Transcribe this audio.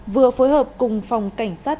vừa phối hợp cùng phòng cảnh sát